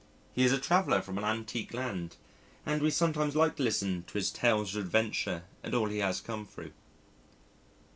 He is a traveller from an antique land, and we sometimes like to listen to his tales of adventure and all he has come through.